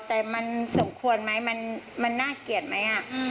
แต่มันสมควรไหมมันน่าเกลียดไหม